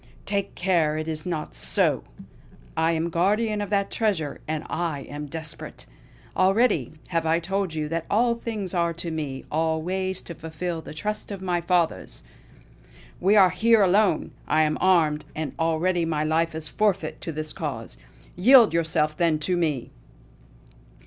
Take care it is not so! I am guardian of that treasure; and I am desperate! Already have I told you that all things are to me, all ways to fulfill the trust of my fathers. We are here alone! I am armed; and already my life is forfeit to this course. Yield yourself, then, to me!"